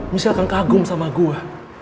michelle akan kagum sama gua